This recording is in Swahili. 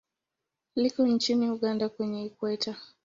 Liko nchini Uganda kwenye Ikweta.